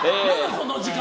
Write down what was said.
この時間。